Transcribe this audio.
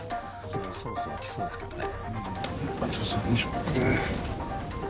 ・そろそろ来そうですけどね。